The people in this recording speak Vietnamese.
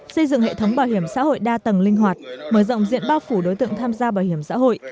xây dựng hệ thống bảo hiểm xã hội đa tầng linh hoạt mở rộng diện bao phủ đối tượng tham gia bảo hiểm xã hội